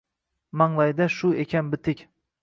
Manglayda shu ekan bitik